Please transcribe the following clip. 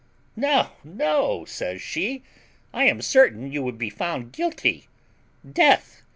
"No, no," says she, "I am certain you would be found guilty. DEATH.